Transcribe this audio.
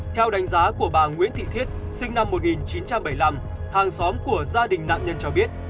theo đánh giá của bà nguyễn thị thiết sinh năm một nghìn chín trăm bảy mươi năm hàng xóm của gia đình nạn nhân cho biết